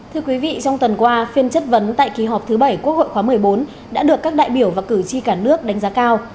thưa quý vị trong tuần qua phiên chất vấn tại kỳ họp thứ bảy quốc hội khóa một mươi bốn đã được các đại biểu và cử tri cả nước đánh giá cao